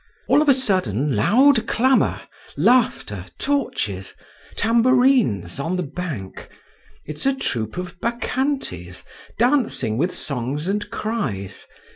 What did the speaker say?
"All of a sudden, loud clamour, laughter, torches, tambourines on the bank…. It's a troop of Bacchantes dancing with songs and cries.